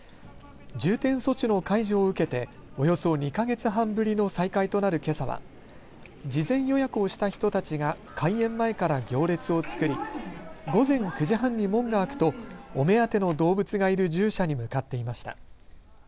重点措置の解除を受けておよそ２か月半ぶりの再開となるけさは事前に予約をした人たちが開園前から行列を作り午前９時半に門が開くとお目当ての動物がいる獣舎に向かっていました。